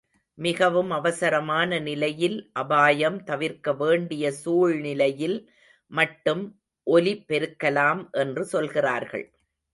மிகவும் அவசரமான நிலையில் அபாயம் தவிர்க்க வேண்டிய சூழ்நிலையில் மட்டும் ஒலி பெருக்கலாம் என்று சொல்கிறார்கள்.